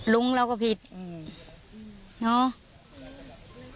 ลุงเราก็ผิดเนาะ